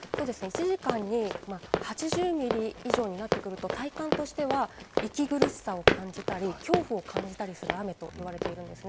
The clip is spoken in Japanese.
１時間に８０ミリ以上になってくると体感としては息苦しさを感じたり恐怖を感じたりする雨と言われています。